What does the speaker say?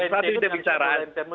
satu satu itu bicara